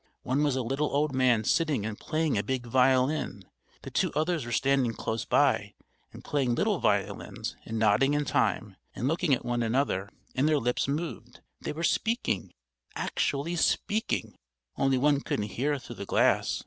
One was a little old man sitting and playing a big violin, the two others were standing close by and playing little violins and nodding in time, and looking at one another, and their lips moved, they were speaking, actually speaking, only one couldn't hear through the glass.